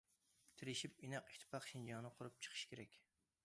تىرىشىپ ئىناق- ئىتتىپاق شىنجاڭ قۇرۇپ چىقىش كېرەك.